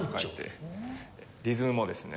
リズムもですね